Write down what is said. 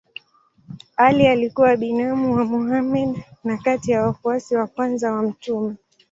Ali alikuwa binamu wa Mohammed na kati ya wafuasi wa kwanza wa mtume.